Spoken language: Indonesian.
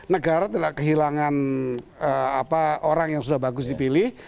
negara tidak kehilangan orang yang sudah bagus dipilih